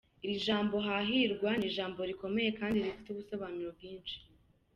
Iri jambo hahirwa ni ijambo rikomeye kandi rifite ubusobanuro bwinshi.